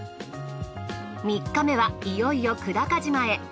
３日目はいよいよ久高島へ。